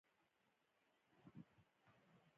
ما غوښتل د ټانک لاندې پټ شم خو خطرناک و